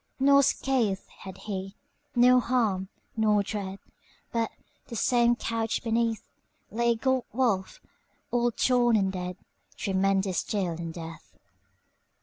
Nor scath had he, nor harm, nor dread, But, the same couch beneath, Lay a gaunt wolf, all torn and dead, Tremendous still in death.